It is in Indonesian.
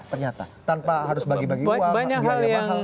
ternyata tanpa harus bagi bagi uang